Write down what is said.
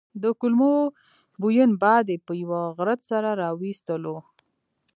د کولمو بوین باد یې په یوه غرت سره وايستلو.